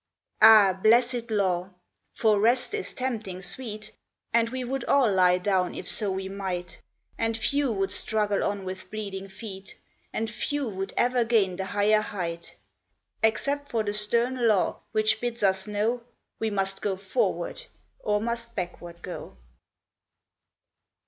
Ah, blessed law ! for rest is tempting sweet, And we would all lie down if so we might ; And few would struggle on with bleeding feet, And few would ever gain the higher height, Except for the stern law which bids us know We must go forward or must backward go.